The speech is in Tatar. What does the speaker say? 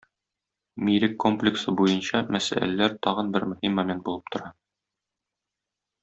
Милек комплексы буенча мәсьәләләр тагын бер мөһим момент булып тора.